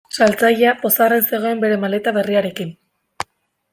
Saltzailea pozarren zegoen bere maleta berriarekin.